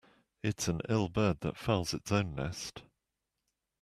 It's an ill bird that fouls its own nest.